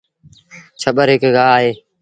ڇٻر هڪ گآه اهي